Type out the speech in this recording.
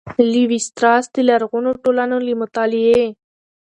''لېوي ستراس د لرغونو ټولنو له مطالعې